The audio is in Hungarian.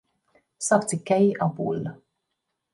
Szakcikkei a Bull.